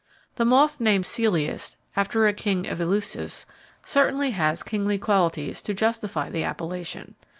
The moth named Celeus, after a king of Eleusis, certainly has kingly qualities to justify the appellation.